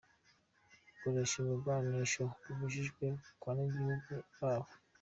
bukoresha ibigwanisho bibujijwe ku banyagihugu babo.